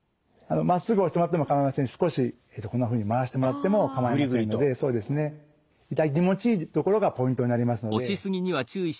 まっすぐ押してもらっても構いませんし少しこんなふうに回してもらっても構いませんので痛気持ちいい所がポイントになりますので。